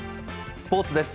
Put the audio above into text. スポーツです。